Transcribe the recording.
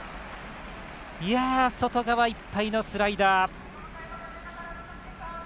外側いっぱいのスライダー。